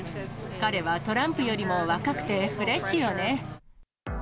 彼はトランプよりも若くてフレッシュよね。